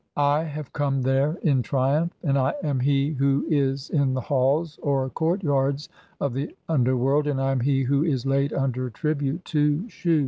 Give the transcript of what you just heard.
[I] have come (24) there in "triumph, and [I am] he who is in the halls [or courtyards) of "the underworld, and I am he who is laid under tribute to (25) "Shu.